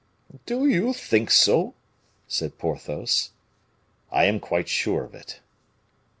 "Do you think so?" said Porthos. "I am quite sure of it."